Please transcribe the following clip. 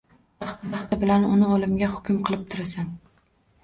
Vaqti-vaqti bilan uni o‘limga hukm qilib turasan.